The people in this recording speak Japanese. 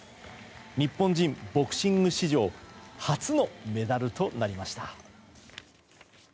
日本人ボクシング史上初のメダルとなりました。